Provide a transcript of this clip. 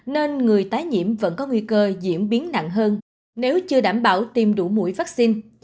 nên người tái nhiễm vẫn có nguy cơ diễn biến nặng hơn nếu chưa đảm bảo tiêm đủ mũi vaccine